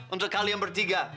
untuk kalian bertiga